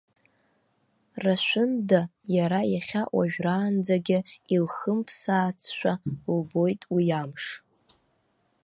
Рашәында иара иахьа уажәраанӡагьы илхымԥсаацшәа лбоит уи амш.